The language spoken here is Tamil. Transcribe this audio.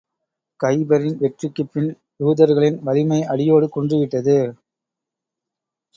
கைபரின் வெற்றிக்குப் பின், யூதர்களின் வலிமை அடியோடு குன்றிவிட்டது.